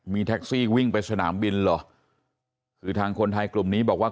มีแท็กซี่วิ่งไปสนามบินเหรอคือทางคนไทยกลุ่มนี้บอกว่า